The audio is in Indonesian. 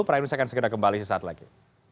prainus akan segera kembali sesaat lagi